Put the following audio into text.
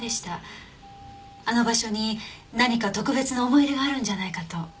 あの場所に何か特別な思い入れがあるんじゃないかと。